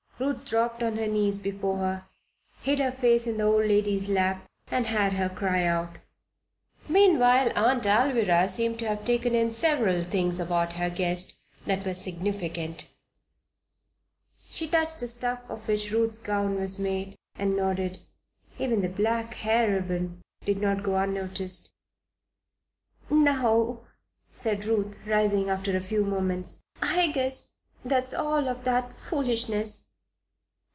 Ruth dropped on her knees before her, hid her face in the old lady's lap, and had her cry out. Meanwhile Aunt Alvirah seemed to have taken in several things about her guest that were significant. She touched the stuff of which Ruth's gown was made, and nodded; even the black hair ribbon did not go unnoticed. "Now," said Ruth, rising after a few moments, "I guess that's all of that foolishness.